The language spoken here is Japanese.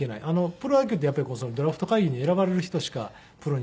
プロ野球ってやっぱりドラフト会議で選ばれる人しかプロに行けなかったんで。